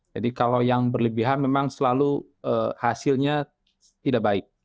jadi kalau yang berlebihan memang selalu hasilnya tidak baik